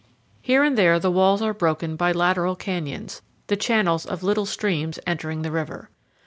Here and there the walls are broken by lateral canyons, the channels of little streams entering the river.